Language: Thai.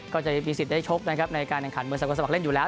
ก็จะมีสิทธิ์ได้ชกนะครับในการแข่งขันเหมือนสากลสมัครเล่นอยู่แล้ว